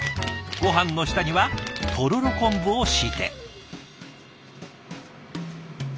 ごはんの下にはとろろ昆布を敷いて。